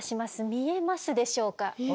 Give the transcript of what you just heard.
見えますでしょうか？